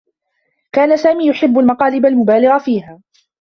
كان سامي يحبّ المقالب المبالغ فيها.